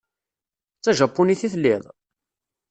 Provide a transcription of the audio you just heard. D tajapunit i telliḍ?